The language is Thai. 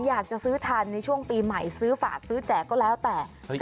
อยากจะซื้อทันในช่วงปีใหม่ซื้อฝากซื้อแจกก็แล้วแต่